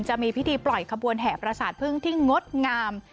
จะมีพิธีปล่อยขบวนแห่ประสาทพึ่งที่งดงาม